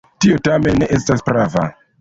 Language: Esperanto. Tio tamen ne estas prava.